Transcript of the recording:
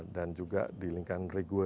dan juga di lingkaran regulasi